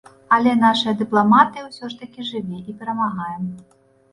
Але нашая дыпламатыя ўсё ж такі жыве і перамагае.